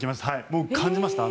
もう感じました。